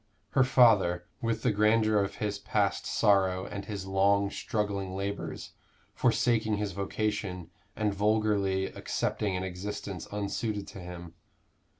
her father, with the grandeur of his past sorrow and his long struggling labors, forsaking his vocation, and vulgarly accepting an existence unsuited to him.